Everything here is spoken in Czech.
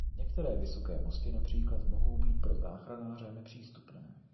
Některé vysoké mosty například mohou být pro záchranáře nepřístupné.